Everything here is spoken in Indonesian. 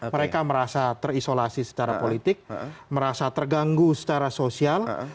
mereka merasa terisolasi secara politik merasa terganggu secara sosial